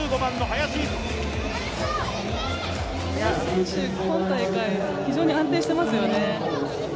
林選手、今大会、非常に安定していますよね。